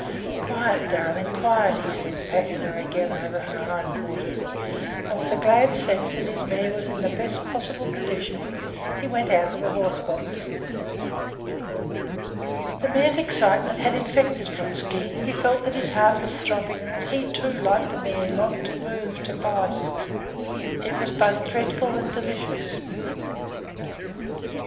"Quiet, darling, quiet!" he said, patting her again over her hind quarters; and with a glad sense that his mare was in the best possible condition, he went out of the horse box. The mare's excitement had infected Vronsky. He felt that his heart was throbbing, and that he, too, like the mare, longed to move, to bite; it was both dreadful and delicious.